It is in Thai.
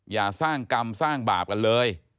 อย่าสร้างกรรมสร้างบาปกันเลย